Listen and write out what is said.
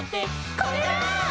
「これだー！」